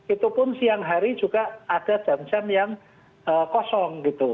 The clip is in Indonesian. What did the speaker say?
itu pun siang hari juga ada jam jam yang kosong gitu